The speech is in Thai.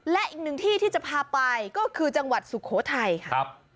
และอีกหนึ่งที่ที่จะพาไปก็คือจังหวัดสุโขทัยค่ะ